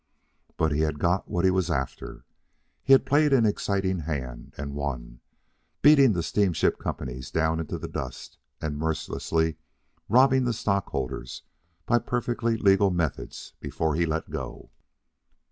But he had got what he was after. He had played an exciting hand and won, beating the steamship companies down into the dust and mercilessly robbing the stockholders by perfectly legal methods before he let go.